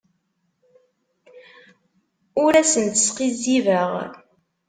Ur asent-sqizzibeɣ.